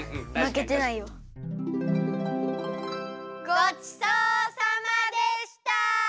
ごちそうさまでした！